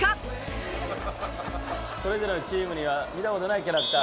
それぞれのチームには見た事ないキャラクター。